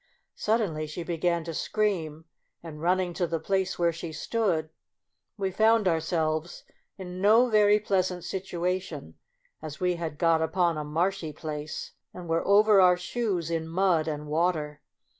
Suddenly she began to scream, and run ning to the place where she stood, we found ourselves in no very pleasant situa tion, as we had got upon a marshy place, and were over our shoes in mud and wa ter.